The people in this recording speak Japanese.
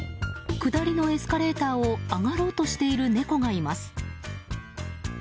下りのエスカレーターを上がろうとしている猫がいます。